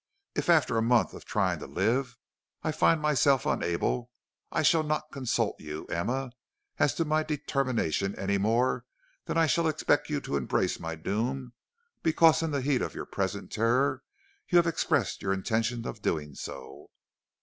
If after a month of trying to live, I find myself unable, I shall not consult you, Emma, as to my determination, any more than I shall expect you to embrace my doom because in the heat of your present terror you have expressed your intention of doing so.'